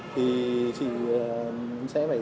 thì chị sẽ phải